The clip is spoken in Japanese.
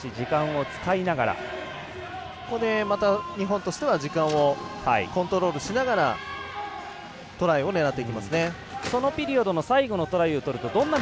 ここでまた日本としては時間をコントロールしながらトライを狙っていきますね。